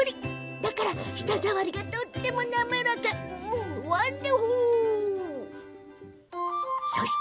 だから、舌触りがとっても滑らかなんですって。